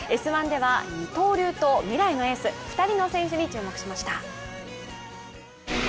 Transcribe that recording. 「Ｓ☆１」では二刀流と未来のエース２人の選手に注目しました。